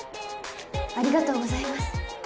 ありがとうございます。